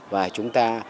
và chúng ta